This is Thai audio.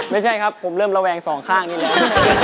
ไม่ใช่ครับผมเริ่มระแวงสองข้างนี่แล้ว